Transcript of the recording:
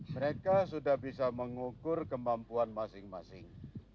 mereka sudah bisa mengukur kemampuan masing masing